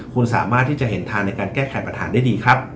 คุณสามารถที่จะเห็นทางในการแก้ไขปัญหาได้ดีครับ